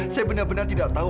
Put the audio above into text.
saya benar benar tidak tahu